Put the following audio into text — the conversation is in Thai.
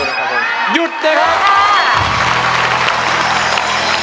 หยุดนะครับ